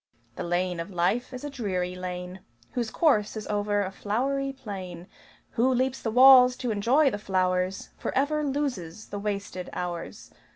The lane of life is a dreary lane Whose course is over a flowery plain. Who leaps the walls to enjoy the flowers Forever loses the wasted hours.